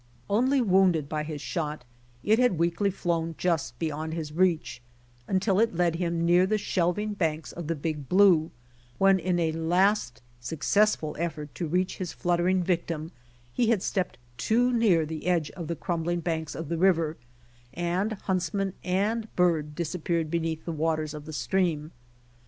Only wounded by his shot, it had weakly liown just beyond his reach, until it led him near the shelving banks of the Big Blue, when in a last successful effort to reach his fluttering victim he had stepped too near the edge of the crumbling banks of the river, and huntsman and bird disappeared beneath the waters of the stream.